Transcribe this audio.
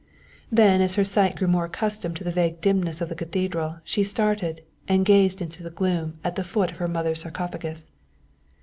Then as her sight grew more accustomed to the vague dimness of the cathedral she started and gazed into the gloom at the foot of her mother's sarcophagus.